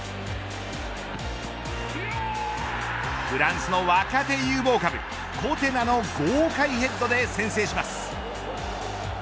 フランスの若手有望株コナテの豪快ヘッドで先制します。